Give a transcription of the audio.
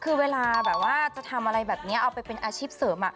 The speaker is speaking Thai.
คือเวลาแบบว่าจะทำอะไรแบบนี้เอาไปเป็นอาชีพเสริม